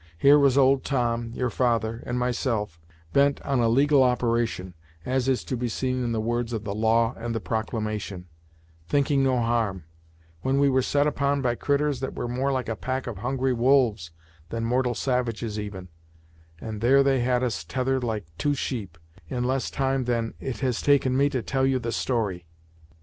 Here was old Tom, your father, and myself, bent on a legal operation, as is to be seen in the words of the law and the proclamation; thinking no harm; when we were set upon by critturs that were more like a pack of hungry wolves than mortal savages even, and there they had us tethered like two sheep, in less time than it has taken me to tell you the story."